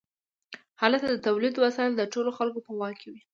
هلته د تولید وسایل د ټولو خلکو په واک کې وي.